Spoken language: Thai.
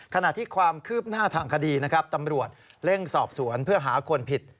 ขณะที่ความคืบหน้าทางคดีนะครับตำรวจเร่งสอบสวนเพื่อหาคนผิด